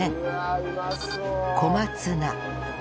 小松菜